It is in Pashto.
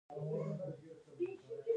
دوي برطانيه ته لاړل او هلتۀ ئې